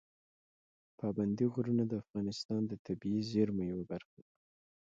پابندي غرونه د افغانستان د طبیعي زیرمو یوه برخه ده.